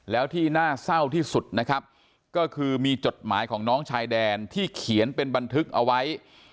แล้วที่น่าเศร้าที่สุดนะครับก็คือมีจดหมายของน้องชายแดนที่เขียนเป็นบันทึกเอาไว้